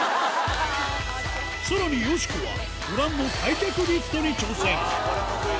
さらに、よしこはご覧の開脚リフトに挑戦。